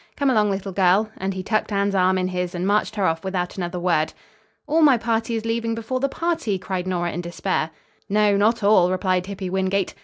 Come along, little girl," and he tucked Anne's arm in his and marched her off without another word. "All my party is leaving before the party," cried Nora in despair. "No, not all," replied Hippy Wingate.